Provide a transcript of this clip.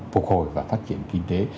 phục hồi và phát triển kinh tế